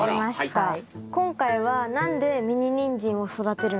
はい。